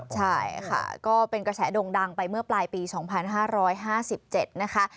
ใช่ค่ะก็เป็นกระแสด่งดังไปเมื่อปลายปี๒๕๕๗นะคะ